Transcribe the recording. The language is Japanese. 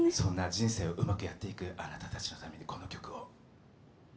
人生をうまくやっていくあなたたちのためにこの曲を。